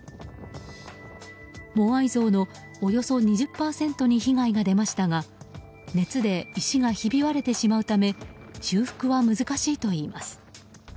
モアイ像のおよそ２０％に被害が出ましたが熱で石がひび割れてしまうため修復は難しいといいます。